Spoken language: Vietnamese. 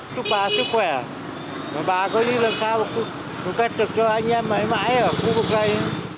chúc bà sức khỏe bà có đi làm sao cũng kết thúc cho anh em mãi mãi ở khu vực đây